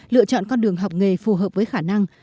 lựa chọn con đường học nghề phù hợp với khả năng